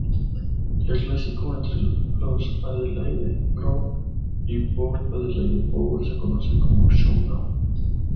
El clásico entre los Adelaide Crows y Port Adelaide Power se conoce como Showdown.